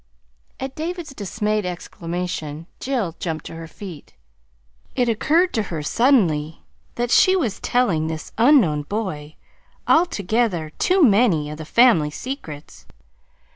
At David's dismayed exclamation Jill jumped to her feet. It owned to her suddenly that she was telling this unknown boy altogether too many of the family secrets.